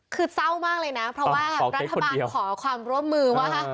คือเศร้ามากเลยนะเพราะว่ารัฐบาลขอความร่วมมือว่า